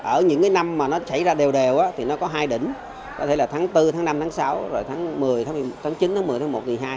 ở những năm mà nó chảy ra đều đều thì nó có hai đỉnh có thể là tháng bốn tháng năm tháng sáu rồi tháng chín tháng một mươi tháng một tháng một mươi hai